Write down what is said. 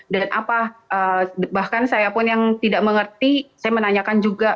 dan bahkan saya pun yang tidak mengerti saya menanyakan juga